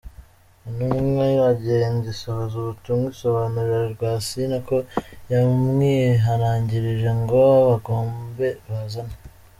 Intumwa iragenda isohoza ubutumwa; isobanurira Rwasine ko yamwihanangirije ngo bagombe bazane.